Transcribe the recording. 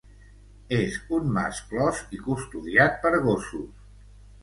És un mas clos i custodiat per gossos.